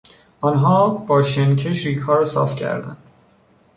آنها با شن کش ریگها راصاف کردند.